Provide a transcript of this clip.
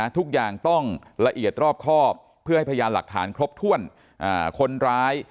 ทุกอย่างต้องละเอียดรอบครอบเพื่อให้พยานหลักฐานครบถ้วนคนร้าย